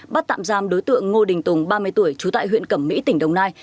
bắt tạm giam đối tượng ngô đình tùng ba mươi tuổi trú tại huyện cẩm mỹ tỉnh đồng nai